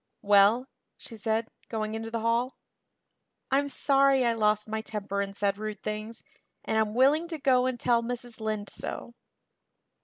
"Well?" she said, going into the hall. "I'm sorry I lost my temper and said rude things, and I'm willing to go and tell Mrs. Lynde so."